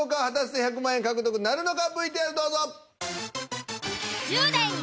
果たして１００万円獲得なるのかＶＴＲどうぞ。